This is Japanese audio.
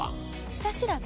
下調べ？